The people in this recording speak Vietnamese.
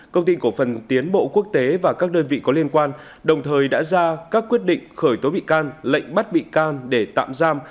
công ty cổ phần tiến bộ quốc tế và các đơn vị có liên quan đồng thời đã ra các quyết định khởi tố bị can lệnh bắt bị can để tạm giam